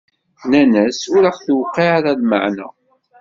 Nnan-as: Ur aɣ-d-tewqiɛ ara lmeɛna!